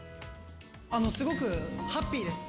すごくハッピーです。